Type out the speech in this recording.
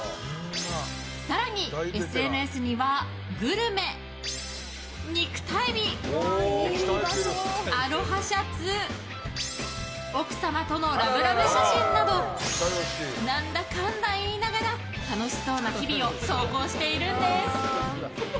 更に、ＳＮＳにはグルメ肉体美、アロハシャツ奥様とのラブラブ写真など何だかんだ言いながら楽しそうな日々を投稿しているんです。